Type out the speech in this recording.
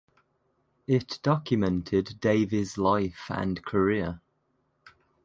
It documented Davies life and career.